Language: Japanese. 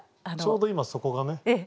ちょうど今そこがね。